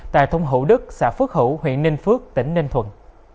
tại thông hữu đức xã phước hữu huyện ninh phước tỉnh ninh thuận